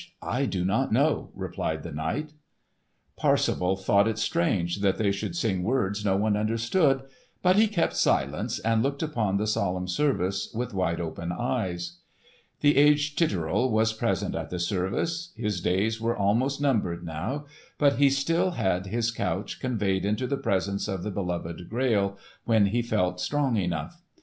I do not know," replied the knight. Parsifal thought it strange that they should sing words no one understood, but he kept silence and looked upon the solemn service with wide open eyes. The aged Titurel was present at the service. His days were almost numbered now, but he still had his couch conveyed into the presence of the beloved Grail when he felt strong enough.